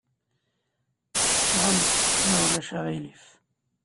Ffɣemt, ma ulac aɣilif.